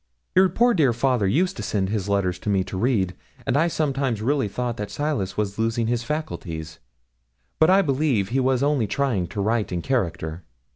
Your poor dear father used to send his letters to me to read, and I sometimes really thought that Silas was losing his faculties; but I believe he was only trying to write in character.'